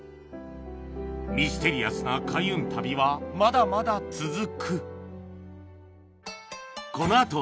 ミステリアスな開運旅はまだまだ続く